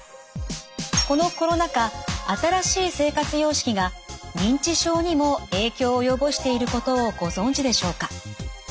このコロナ禍新しい生活様式が認知症にも影響を及ぼしていることをご存じでしょうか？